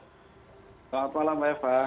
selamat malam mbak eva